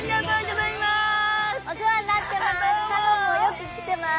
お世話になってます！